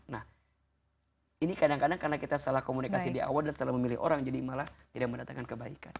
nah ini kadang kadang karena kita salah komunikasi di awal dan salah memilih orang jadi malah tidak mendatangkan kebaikan